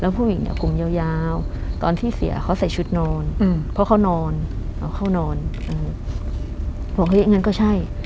แล้วผู้หญิงเนี้ยกลุ่มยาวยาวตอนที่เสียเขาใส่ชุดนอนอืมเพราะเขานอนเขานอนอืมบอกเฮ้ยงั้นก็ใช่